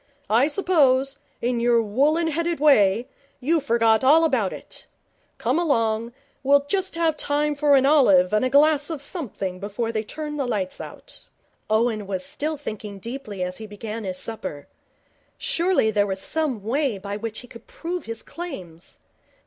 I suppose, in your woollen headed way, you forgot all about it. Come along. We'll just have time for an olive and a glass of something before they turn the lights out.' Owen was still thinking deeply as he began his supper. Surely there was some way by which he could prove his claims.